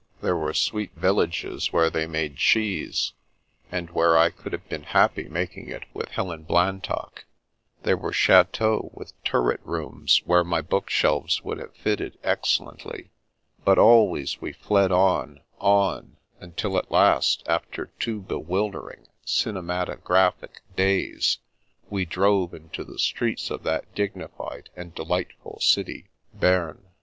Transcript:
There were sweet villages where they made cheese, and where I could have been happy making it with Helen Blantock; there were chateaux with turret rooms where my book shelves would have fitted ex cellently; but always we fled on, on, until at last, after two bewildering, cinematographic days, we drove into the streets of that dignified and delightful city, Bern.